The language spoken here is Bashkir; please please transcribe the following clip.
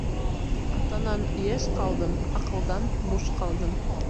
Атанан йәш ҡалдым, аҡылдан буш ҡалдым.